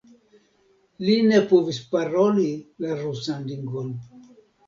Li ne povis paroli la rusan lingvon.